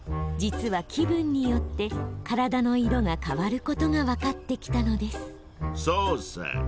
実は気分によって体の色が変わることが分かってきたのですそうさ。